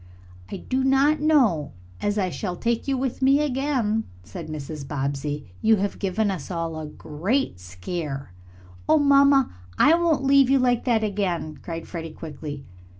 "I do not know as I shall take you with me again," said Mrs. Bobbsey. "You have given us all a great scare." "Oh, mamma, I won't leave you like that again," cried Freddie quickly.